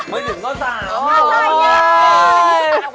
ไม่๑ก็๓ไม่หัวไปเลย